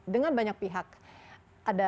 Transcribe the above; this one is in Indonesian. dengan banyak pihak ada